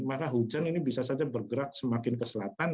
maka hujan ini bisa saja bergerak semakin ke selatan